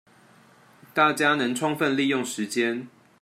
大家能充分利用時間